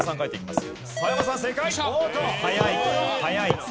早い。